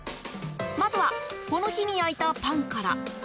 まずはこの日に焼いたパンから。